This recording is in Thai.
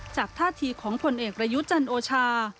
จากท่าทีของผลเอกระยุจรรโอชา